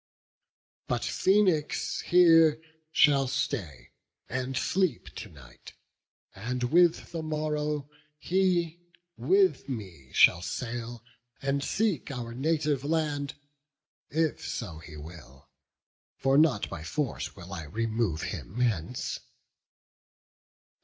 But Phoenix here shall stay, and sleep to night; And with the morrow he with me shall sail And seek our native land, if so he will: For not by force will I remove him hence."